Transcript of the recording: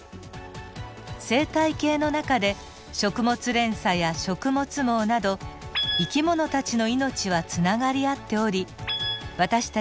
生態系の中で食物連鎖や食物網など生き物たちの命はつながり合っており私たち